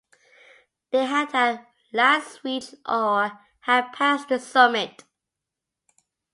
They had at last reached, or had passed, the summit.